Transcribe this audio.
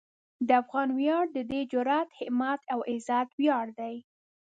د افغان ویاړ د ده د جرئت، همت او عزت ویاړ دی.